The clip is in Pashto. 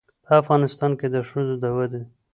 په افغانستان کې د ښځو د ودې